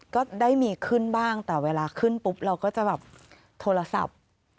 ก็ได้มีขึ้นบ้างแต่เวลาขึ้นปุ๊บเราก็จะแบบโทรศัพท์